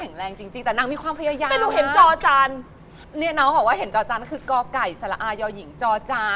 เนี่ยน้องเขาเขาว่าเห็นจอจานคือกกยจจ